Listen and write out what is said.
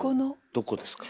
どこですか？